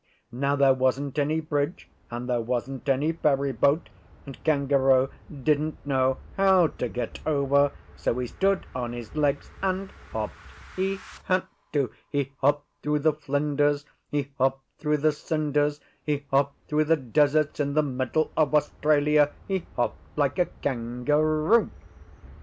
Now, there wasn't any bridge, and there wasn't any ferry boat, and Kangaroo didn't know how to get over; so he stood on his legs and hopped. He had to! He hopped through the Flinders; he hopped through the Cinders; he hopped through the deserts in the middle of Australia. He hopped like a Kangaroo.